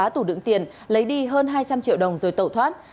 hai trăm linh triệu đồng rồi tẩu thoát